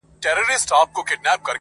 د خرڅ خوراک د برابرولو لپاره -